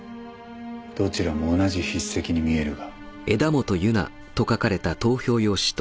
どちらも同じ筆跡に見えるが？